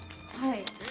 はい。